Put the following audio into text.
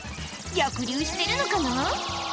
逆流してるのかな。